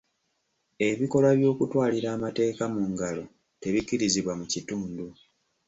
Ebikolwa by'okutwalira amateeka mu ngalo tebikkirizibwa mu kitundu.